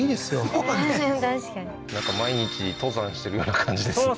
確かになんか毎日登山してるような感じですね